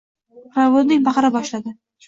Provodnik baqira boshladi: